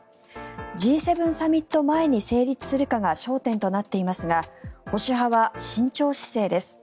Ｇ７サミット前に成立するかが焦点となっていますが保守派は慎重姿勢です。